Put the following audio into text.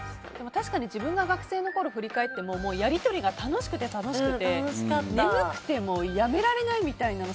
確かに自分が学生のころを振り返ってもやり取りが楽しくて楽しくて眠くてもやめられないみたいなの。